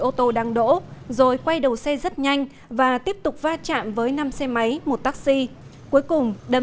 ô tô đang đổ rồi quay đầu xe rất nhanh và tiếp tục va chạm với năm xe máy một taxi cuối cùng đâm